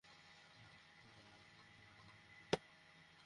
পাঁচ মিনিটের মধ্যে স্টেশনে আসো।